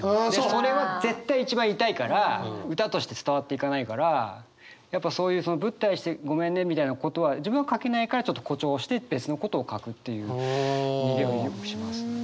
それは絶対一番痛いから歌として伝わっていかないからやっぱそういう「ぶったりしてごめんね」みたいなことは自分は書けないからちょっと誇張して別のことを書くっていう逃げはよくしますね。